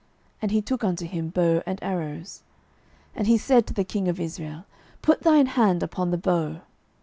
And he took unto him bow and arrows. 12:013:016 And he said to the king of Israel, Put thine hand upon the bow.